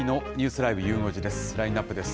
ラインナップです。